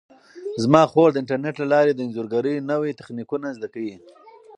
زما خور د انټرنیټ له لارې د انځورګرۍ نوي تخنیکونه زده کوي.